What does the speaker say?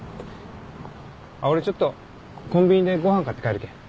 あっ俺ちょっとコンビニでご飯買って帰るけん。